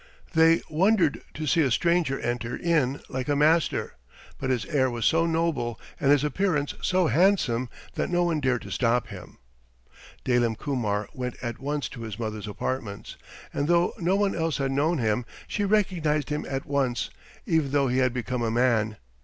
They wondered to see a stranger enter in like a master, but his air was so noble, and his appearance so handsome that no one dared to stop him. Dalim Kumar went at once to his mother's apartments, and though no one else had known him, she recognized him at once, even though he had become a man.